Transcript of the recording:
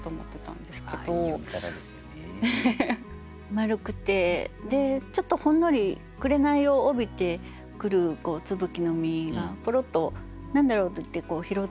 丸くてちょっとほんのり紅を帯びてくる椿の実がぽろっと何だろうっていって拾っていく。